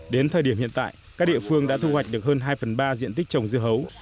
đến thời điểm hiện tại các địa phương đã thu hoạch được hơn hai phần ba diện tích trồng dưa hấu